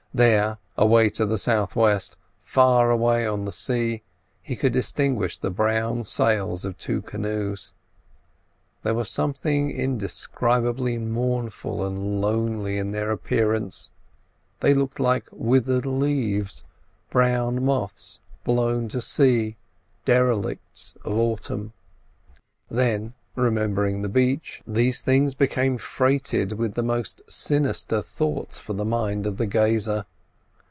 There, away to the south west, far away on the sea, he could distinguish the brown sails of two canoes. There was something indescribably mournful and lonely in their appearance; they looked like withered leaves—brown moths blown to sea—derelicts of autumn. Then, remembering the beach, these things became freighted with the most sinister thoughts for the mind of the gazer.